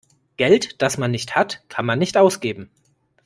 Geld, das man nicht hat, kann man nicht ausgeben.